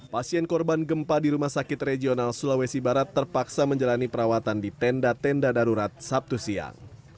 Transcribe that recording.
pasien korban gempa di rumah sakit regional sulawesi barat terpaksa menjalani perawatan di tenda tenda darurat sabtu siang